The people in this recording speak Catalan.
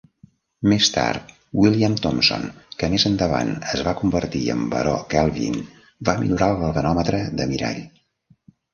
Més tard, William Thomson, que més endavant es va convertir en baró Kelvin, va millorar el galvanòmetre de mirall.